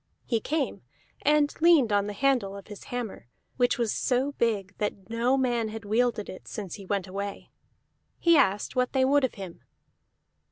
He came, and leaned on the handle of his hammer, which was so big that no man had wielded it since he went away. He asked what they would of him.